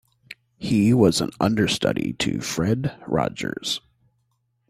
He was an understudy to Fred Rogers.